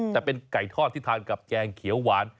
แต่เป็นไก่ทอดที่ทานกับแกงเขียวหวาน